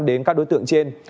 đến các đối tượng trên